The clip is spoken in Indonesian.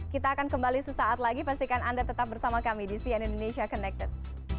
kita akan kembali sesaat lagi pastikan anda tetap bersama kami di cn indonesia connected